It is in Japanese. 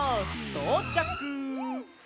とうちゃく。